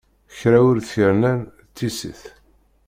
Kra ur yi-t-rnan d tissit.